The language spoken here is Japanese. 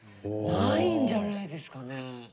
ないんじゃないですかね。